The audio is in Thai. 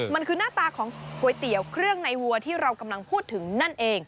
มันคือหน้าตาของก๋วยเตี๋ยวเครื่องในวัวที่เรากำลังพูดถึงนั่นเอง